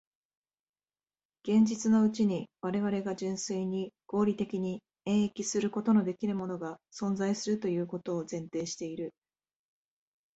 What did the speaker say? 現実のうちに我々が純粋に合理的に演繹することのできぬものが存在するということを前提している。